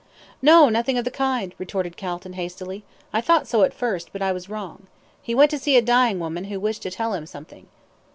"No, nothing of the kind," retorted Calton, hastily. "I thought so at first, but I was wrong. He went to see a dying woman, who wished to tell him something."